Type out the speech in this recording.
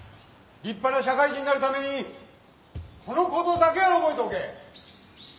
立派な社会人になるためにこのことだけは覚えておけ。